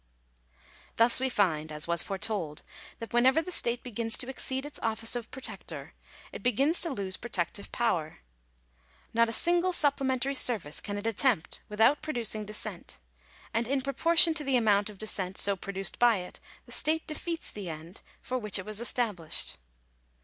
Thus we find, as was foretold, that whenever the state be gins to exceed its office of protector, it begins to lose protec tive power. Not a sipgle supplementary service can it attempt {without producing dissent; and in proportion to the amount j of dissent so produced by it, the state defeats the end for which • it was established.